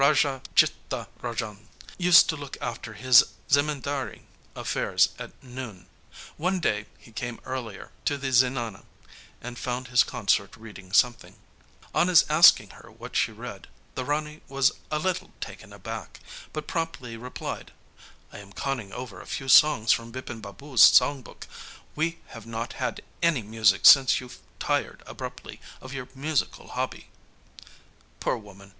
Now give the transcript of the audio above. Raja Chittaranjan used to look after his zemindari affairs at noon. One day he came earlier to the zenana, and found his consort reading something. On his asking her what she read, the Rani was a little taken aback, but promptly replied: 'I am conning over a few songs from Bipin Babu's song book. We have not had any music since you tired abruptly of your musical hobby.' Poor woman!